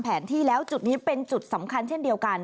แต่ว่าไม่สามารถผ่านเข้าไปที่บริเวณถนน